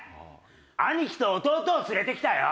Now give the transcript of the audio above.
兄貴と弟を連れてきたよ。